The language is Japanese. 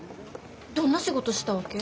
どんな仕事したわけ？